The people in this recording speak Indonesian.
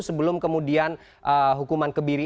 sebelum kemudian hukuman kebiri